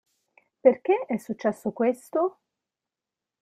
Perché è successo questo?